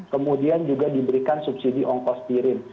kemudian juga diberikan subsidi ongkostirin